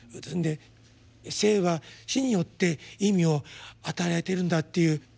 ですんで生は死によって意味を与えられてるんだっていう。